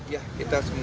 ya kita semua